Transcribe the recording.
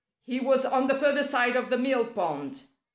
He was on the further side of the mill pond.